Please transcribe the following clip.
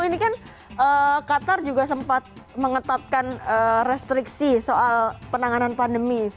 ini kan qatar juga sempat mengetatkan restriksi soal penanganan pandemi